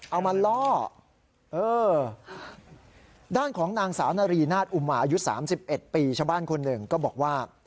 เอามาล่อด้านของนางสาวนารีนาศอุมาอายุ๓๑ปีชาวบ้านคนหนึ่งก็บอกว่า